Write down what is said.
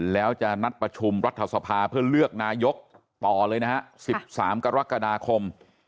แล้วจะนัดประชุมรัฐสภาเพื่อเลือกนายกต่อเลยนะฮะ๑๓กรกฎาคม